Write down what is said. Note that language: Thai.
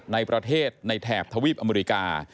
ในประเทศในแถบทวีปอเมริกา